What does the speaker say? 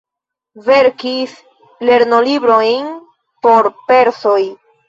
Verkis lernolibrojn por persoj.